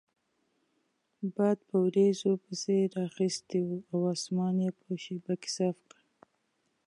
باد په وریځو پسې رااخیستی وو او اسمان یې په شیبه کې صاف کړ.